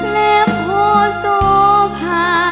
เล็บโภตศูนย์ผ่า